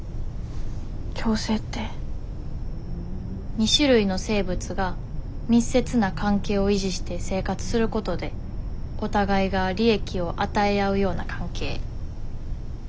２種類の生物が密接な関係を維持して生活することでお互いが利益を与え合うような関係。